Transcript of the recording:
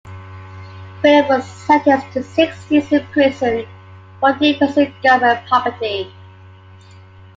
Philip was sentenced to six years in prison for defacing government property.